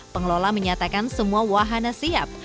pengelola menyatakan semua wahana siap